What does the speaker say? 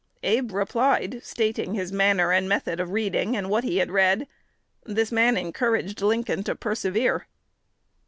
Abe replied, stating his manner and method of reading, and what he had read. The man encouraged Lincoln to persevere."